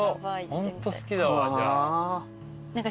ホント好きだわじゃあ。